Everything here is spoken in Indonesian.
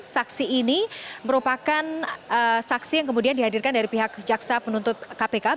saksi ini merupakan saksi yang kemudian dihadirkan dari pihak jaksa penuntut kpk